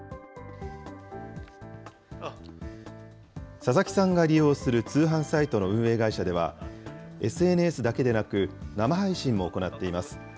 ささきさんが利用する通販サイトの運営会社では、ＳＮＳだけでなく、生配信も行っています。